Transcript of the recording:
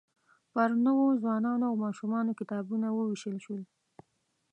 پر نوو ځوانانو او ماشومانو کتابونه ووېشل شول.